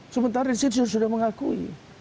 sementara insidius sudah mengakui